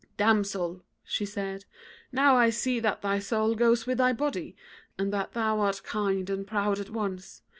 "'Damsel,' she said, 'now I see that thy soul goes with thy body, and that thou art kind and proud at once.